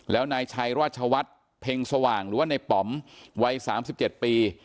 แล้วนายชัยราชวัฒน์เพ็งสว่างหรือว่าในป๋อมวัย๓๗ปี